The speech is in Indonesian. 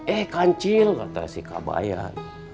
eh kancil kata si kabayan